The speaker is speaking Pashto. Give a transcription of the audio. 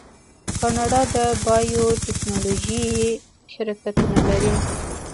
کاناډا د بایو ټیکنالوژۍ شرکتونه لري.